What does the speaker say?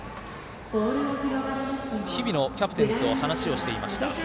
日比野キャプテンと話をしていました。